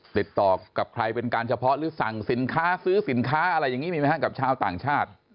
ติดต่อกับใครเป็นการเฉพาะหรือสั่งสินค้าซื้อสินค้าอะไรอย่างนี้มีไหมฮะกับชาวต่างชาติ